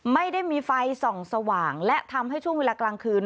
ไม่ได้มีไฟส่องสว่างและทำให้ช่วงเวลากลางคืน